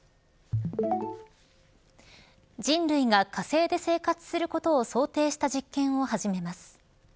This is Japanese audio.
人類が火星で生活することを想定した実験を始めます。